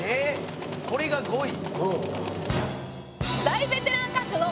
これが５位？